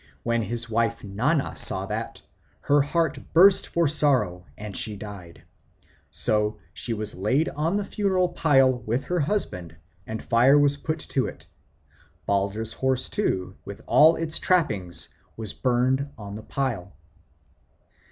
When his wife Nanna saw that, her heart burst for sorrow and she died. So she was laid on the funeral pile with her husband, and fire was put to it. Balder's horse, too, with all its trappings, was burned on the pile.